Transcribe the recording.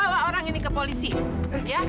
bawa orang ini ke polisi ya